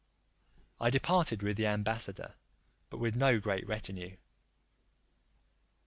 I departed with the ambassador, but with no great retinue.